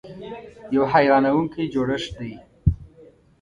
یو حیرانونکی جوړښت دی .